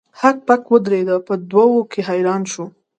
هک پک ودریده په دوه وو کې حیران شو.